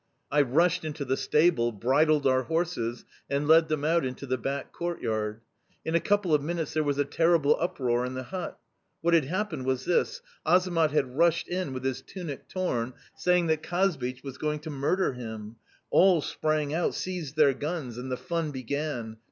"I rushed into the stable, bridled our horses and led them out into the back courtyard. In a couple of minutes there was a terrible uproar in the hut. What had happened was this: Azamat had rushed in, with his tunic torn, saying that Kazbich was going to murder him. All sprang out, seized their guns, and the fun began!